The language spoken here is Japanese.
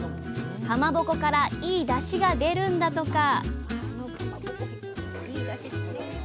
かまぼこからいいだしが出るんだとか